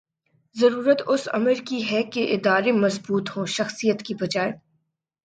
ضرورت اس امر کی ہے کہ ادارے مضبوط ہوں ’’ شخصیات ‘‘ کی بجائے